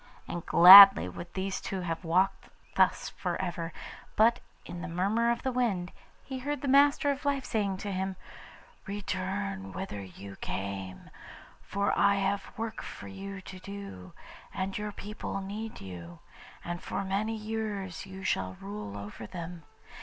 And gladly would these two have walked thus for ever, but in the murmur of the wind he heard the Master of Life saying to him, 'Return whither you came, for I have work for you to do, and your people need you, and for many years you shall rule over them.